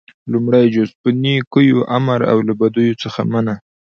لومړی جز - په نيکيو امر او له بديو څخه منع: